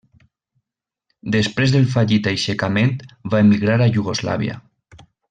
Després del fallit aixecament va emigrar a Iugoslàvia.